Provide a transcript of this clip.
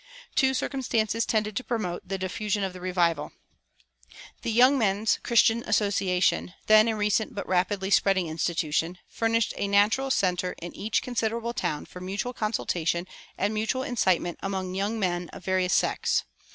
Two circumstances tended to promote the diffusion of the revival. The Young Men's Christian Association, then a recent but rapidly spreading institution, furnished a natural center in each considerable town for mutual consultation and mutual incitement among young men of various sects.